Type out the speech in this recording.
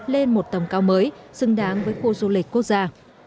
lên một tầm cao mới xứng đáng với khu du lịch quốc gia